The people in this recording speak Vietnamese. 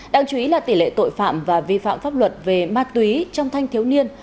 đáng chú ý là tỷ lệ tội phạm và vi phạm pháp luật về ma túy trong thanh thiếu niên